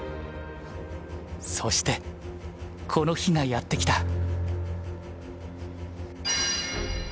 そしてこの日がやって来た。